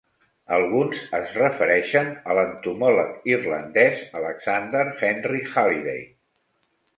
Alguns es refereixen a l'entomòleg irlandès Alexander Henry Haliday.